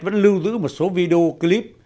vẫn lưu giữ một số video clip